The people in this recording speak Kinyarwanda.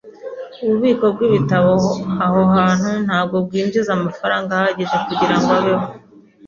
Ububiko bwibitabo aho hantu ntabwo bwinjiza amafaranga ahagije kugirango abeho.